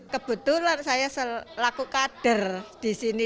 kebetulan saya selaku kader di sini